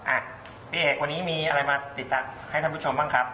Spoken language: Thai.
อ่ะพี่เอกวันนี้มีอะไรมาติดตามให้ท่านผู้ชมบ้างครับ